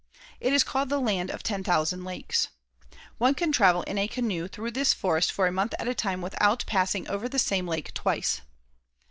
It is called "the land of ten thousand lakes." One can travel in a canoe through this forest for a month at a time without passing over the same lake twice.